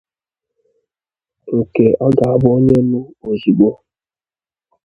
nke ọ ga-abụ onye nụ ozigbo